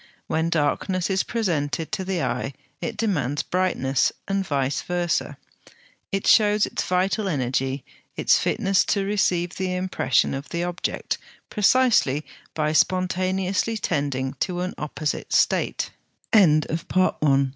When darkness is presented to the eye it demands brightness, and vice versâ: it shows its vital energy, its fitness to receive the impression of the object, precisely by spontaneously tending to an opposite state.